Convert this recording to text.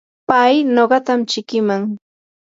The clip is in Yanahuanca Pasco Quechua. pay nuqatam chikiman.